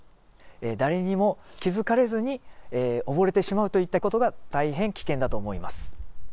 誰にも気付かれずに溺れてしまうといったことが大変危険だと思います。